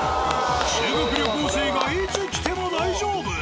修学旅行生がいつ来ても大丈夫！